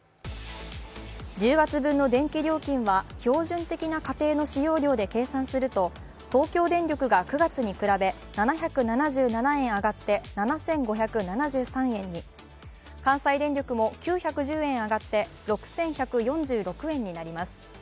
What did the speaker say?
１０月分の電気料金は標準的な家庭使用量で計算すると、東京電力が９月に比べ７７７円上がって７５７３円に関西電力も９１０円上がって６１４６円になります。